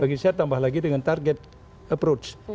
bagi saya tambah lagi dengan target approach